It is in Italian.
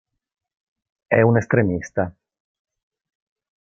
È un estremista.